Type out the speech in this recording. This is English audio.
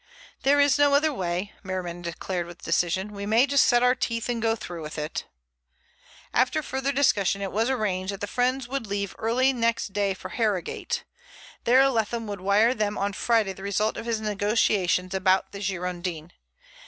"There is no other way," Merriman declared with decision. "We may just set our teeth and go through with it." After further discussion it was arranged that the friends would leave early next day for Harrogate. There Leatham would wire them on Friday the result of his negotiations about the Girondin.